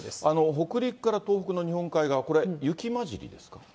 北陸から東北の日本海側、これ、雪交じりですか？